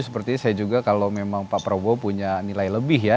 sepertinya saya juga kalau memang pak prabowo punya nilai lebih ya